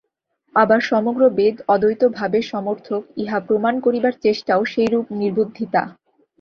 আবার সমগ্র বেদ অদৈতভাবের সমর্থক, ইহা প্রমাণ করিবার চেষ্টাও সেইরূপ নির্বুদ্ধিতা।